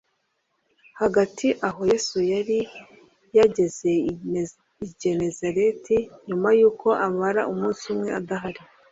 Hagati aho Yesu yari yageze i Genezareti; nyuma yuko amara umunsi umwe adahari.